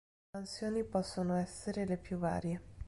Le mansioni possono essere le più varie.